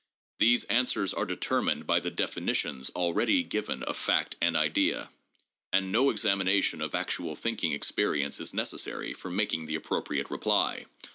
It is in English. These answers are determined by the definitions already given of fact and idea, and no examination of actual thinking experience is necessary for mak ing the appropriate reply.